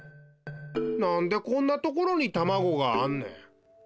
なんでこんなところにたまごがあんねん。